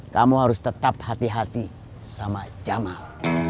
kamu harus tetap hati hati sama jamal